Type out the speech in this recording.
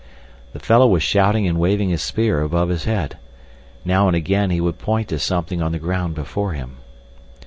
The fellow was shouting and waving his spear above his head. Now and again he would point to something on the ground before him.